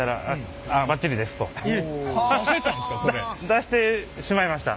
出してしまいました。